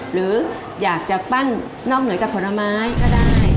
หรืออยากจะปั้นนอกเหนือจากผลไม้ก็ได้